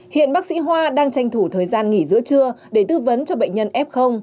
hiện bác sĩ hoa đang tranh thủ thời gian nghỉ giữa trưa để tư vấn cho bệnh nhân f